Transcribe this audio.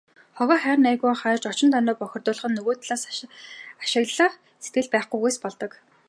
Хогоо хайр найргүй хаяж, орчин тойрноо бохирдуулах нь нөгөө талаас ашиглах сэтгэл байхгүйгээс болдог.